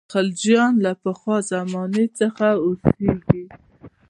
خلجیان له پخوا زمانې څخه اوسېږي.